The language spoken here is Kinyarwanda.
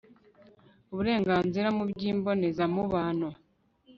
uburenganzira mu by'imbonezamubano